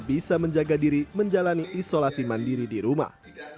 bisa menjaga diri menjalani isolasi mandiri di rumah